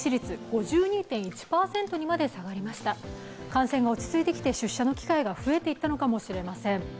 感染が落ち着いてきて出社の機会が増えてきたのかもしれません。